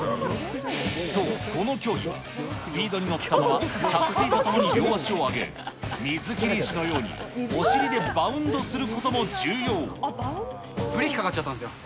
そう、この競技はスピードに乗ったまま、着水とともに両足を上げ、水切り石のように、ブレーキかかっちゃったんですよ。